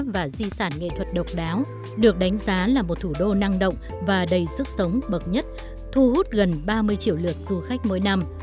và di sản nghệ thuật độc đáo được đánh giá là một thủ đô năng động và đầy sức sống bậc nhất thu hút gần ba mươi triệu lượt du khách mỗi năm